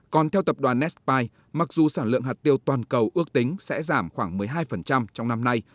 còn theo tập đoàn nespai mặc dù sản lượng hạt tiêu toàn cầu ước tính sẽ giảm khoảng một mươi hai trong năm nay